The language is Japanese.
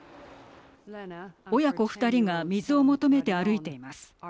親子２人が水を求めて歩いています。